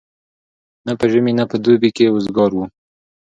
نه په ژمي نه په دوبي کي وزګار وو